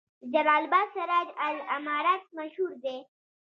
د جلال اباد سراج العمارت مشهور دی